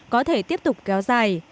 có thể tiếp tục kéo dài